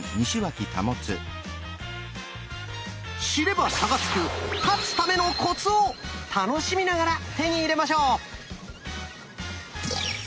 知れば差がつく「勝つためのコツ」を楽しみながら手に入れましょう！